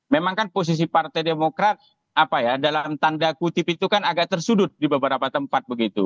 memang kan posisi partai demokrat apa ya dalam tanda kutip itu kan agak tersudut di beberapa tempat begitu